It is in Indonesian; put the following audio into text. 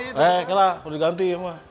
eh kira udah diganti